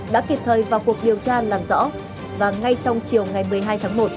đã kịp thời vào cuộc điều tra làm rõ và ngay trong chiều ngày một mươi hai tháng một